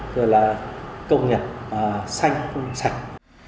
rồi là công nghiệp xanh sạch